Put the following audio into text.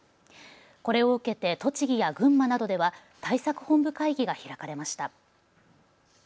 これを受けて栃木や群馬などでは対策本部会議が開かれました。